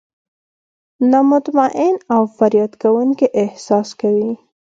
نا مطمئن او فریاد کوونکي احساس کوي.